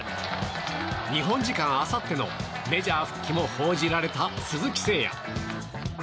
日本時間あさってのメジャー復帰も報じられた鈴木誠也。